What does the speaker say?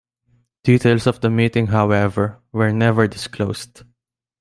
Details of the meeting, however, were never disclosed.